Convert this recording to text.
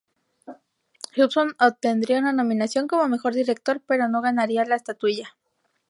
Hudson obtendría una nominación como mejor director, pero no ganaría la estatuilla.